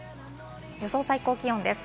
予想最高気温です。